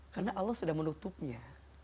karena allah sudah menutupnya